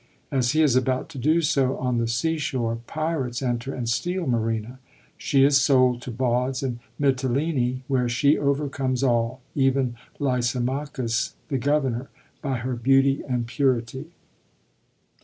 As he is about to do so on the sea shore, pirates enter and steal Marina. She is sold to bawds in Mitylene, where she overcomes all, even Lysimachus, the governor, by her beauty and purity.